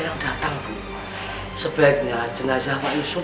ayo mas hadi kita mandikan jenazah pak yusof